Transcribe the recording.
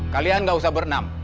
kalian gak usah berenam